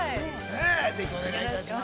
ぜひ、お願いいたします。